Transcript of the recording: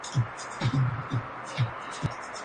Pertenece a la comarca de Tierra Estella.